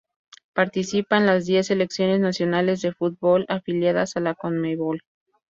Participan las diez selecciones nacionales de fútbol afiliadas a la Conmebol.